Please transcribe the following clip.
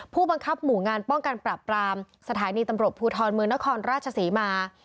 ผู้บังคับหมู่งานป้องกันปรับปรามสถานีตำรวจภูทรเมืองนครราชศรีมา